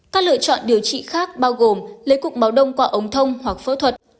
các lựa chọn điều trị khác bao gồm lấy cục máu đông qua ống thông hoặc phẫu thuật